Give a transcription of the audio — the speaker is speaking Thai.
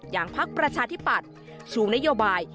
อย่างพักประชาธิบัตรชูนโยบาย